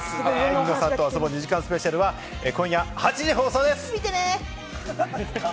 『ニノさんとあそぼ』２時間スペシャルは今夜８時放送です。